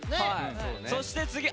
そして、次。